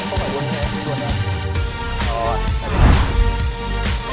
rồi chạy đây